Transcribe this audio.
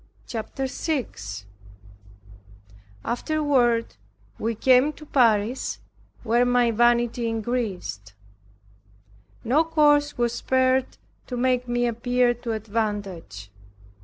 CHAPTER 6 Afterward we came to Paris where my vanity increased. No course was spared to make me appear to advantage.